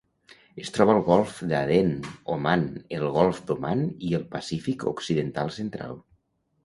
Es troba al Golf d'Aden, Oman, el Golf d'Oman i el Pacífic occidental central.